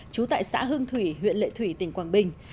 trú tại xã hưng thủy huyện lệ thủy tỉnh quảng bình